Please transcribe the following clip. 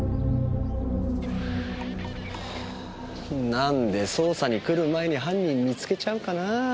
何で捜査に来る前に犯人見つけちゃうかなぁ。